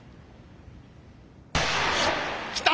きた！